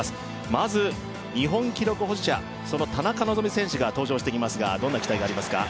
まず日本記録保持者田中希実選手が登場してきますがどんな期待がありますか？